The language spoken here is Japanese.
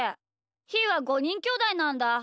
ひーは５にんきょうだいなんだ。